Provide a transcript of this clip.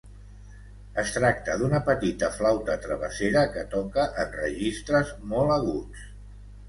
Es tracta d'una petita flauta travessera que toca en registres molt aguts.